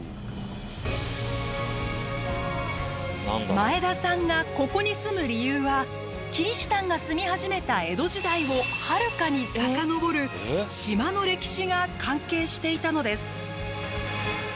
前田さんがここに住む理由はキリシタンが住み始めた江戸時代をはるかに遡る島の歴史が関係していたのです。